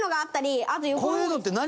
「こういうの」って何？